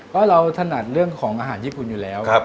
เพราะเราถนัดเรื่องของอาหารญี่ปุ่นอยู่แล้ว